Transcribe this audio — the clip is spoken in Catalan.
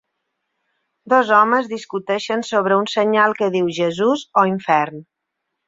Dos homes discuteixen sobre un senyal que diu Jesús o Infern.